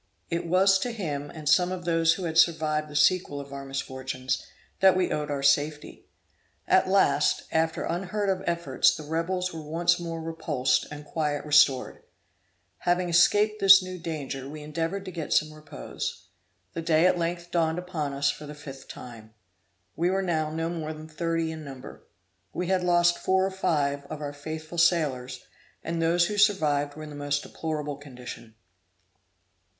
It was to him and some of those who had survived the sequel of our misfortunes, that we owed our safety. At last, after unheard of efforts, the rebels were once more repulsed, and quiet restored. Having escaped this new danger, we endeavored to get some repose. The day at length dawned upon us for the fifth time. We were now no more than thirty in number. We had lost four or five of our faithful sailors, and those who survived were in the most deplorable condition.